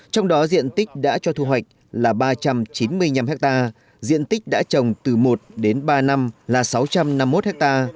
trong đó diện tích đã cho thu hoạch là ba trăm chín mươi năm ha diện tích đã trồng từ một đến ba năm là sáu trăm năm mươi một ha